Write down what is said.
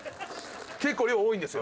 結構量多いんですよ。